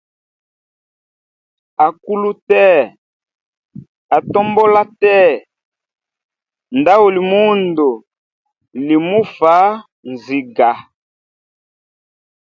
Akulu tee, atombola tee, ndauli mundu limufaa nziga.